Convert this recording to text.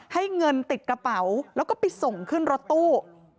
ให้เงินติดกระเป๋าแล้วก็ไปส่งขึ้นรถตู้